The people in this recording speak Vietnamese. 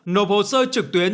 nộp hồ sơ trực tuyến